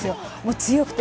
強くて。